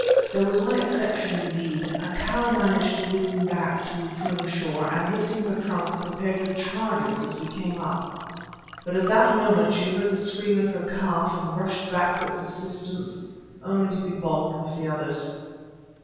There was one exception, indeed, a cow managed to win back to firm shore, and, lifting her trunk, prepared to charge us as we came up. But at that moment she heard the scream of her calf, and rushed back to its assistance, only to be bogged with the others.